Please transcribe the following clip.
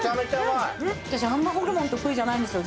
私あんまホルモン得意じゃないんですよ